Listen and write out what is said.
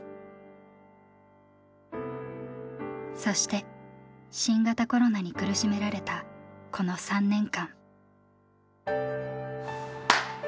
そして新型コロナに苦しめられたこの３年間。